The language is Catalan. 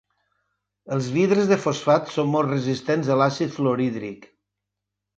Els vidres de fosfat són molt resistents a l'àcid fluorhídric.